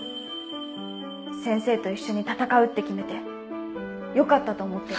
先生と一緒に闘うって決めてよかったと思ってる。